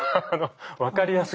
分かりやすく。